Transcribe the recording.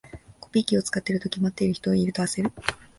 コピー機使ってるとき、待ってる人いると焦る